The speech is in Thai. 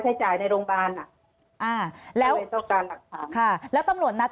ใช้จ่ายในโรงพยาบาลอ่ะอ่าแล้วเลยต้องการหลักฐานค่ะแล้วตำรวจนัด